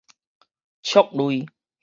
觸類